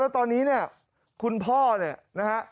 แล้วตอนนี้คุณพ่อนะฮะ